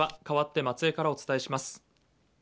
かわって松江からお伝えします。